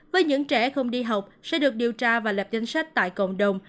với những trẻ không đi học sẽ được điều tra và lập danh sách tại cộng đồng